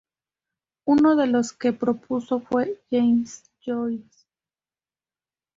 Uno de los que propuso fue James Joyce.